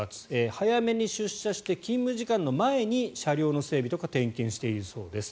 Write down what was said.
早めに出発して勤務時間の前に車両の整備とか点検をしているそうです。